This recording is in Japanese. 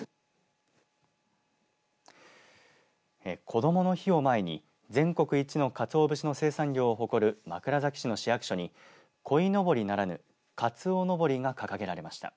こどもの日を前に全国一のかつお節の生産量を誇る枕崎市の市役所にこいのぼりならぬかつおのぼりが掲げられました。